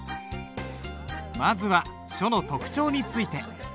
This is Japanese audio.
まずは書の特徴について。